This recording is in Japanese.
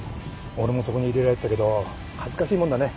俺もそこに入れられてたけど恥ずかしいもんだね。